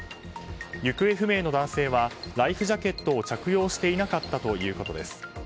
行方不明の男性はライフジャケットを着用していなかったということです。